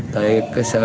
tại huyện lý sơn